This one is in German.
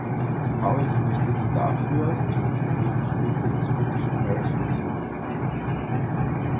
Powell investierte dafür zunächst erhebliche Mittel in das britische Emeryson-Team.